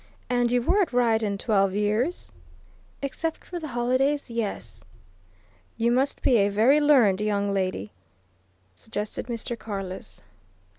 "And you were at Ryedene twelve years?" "Except for the holidays yes." "You must be a very learned young lady," suggested Mr. Carless.